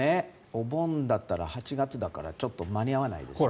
おぼんだったら８月だからちょっと間に合わないですよね。